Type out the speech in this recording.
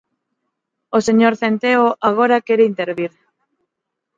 O señor Centeo agora quere intervir.